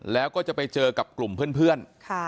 แล้วก็จะไปเจอกับกลุ่มเพื่อน